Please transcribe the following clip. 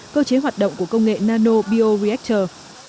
cơ chế hoạt động của công nghệ nano bio reactor